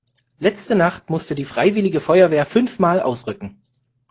Letzte Nacht musste die freiwillige Feuerwehr fünfmal ausrücken.